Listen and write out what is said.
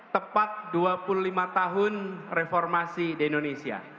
tepat dua puluh lima tahun reformasi di indonesia